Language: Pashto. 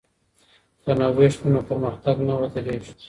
که نوښت وي نو پرمختګ نه ودریږي.